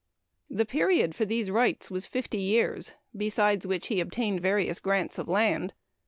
The period for these rights was fifty years, besides which he obtained various grants of land.